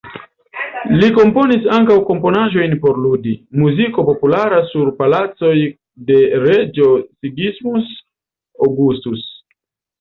Li komponis ankaŭ komponaĵojn por ludi, muziko populara sur palacoj de reĝo Sigismund Augustus.